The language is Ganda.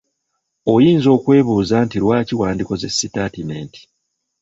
Oyinza okwebuuza nti lwaki wandikoze sitaatimenti?